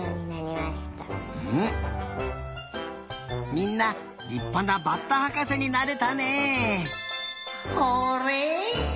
みんなりっぱなバッタはかせになれたね！